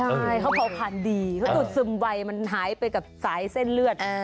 ใช่เขาเผาคันดีสุดซึมใบมันหายไปกับซ้ายเส้นเลือด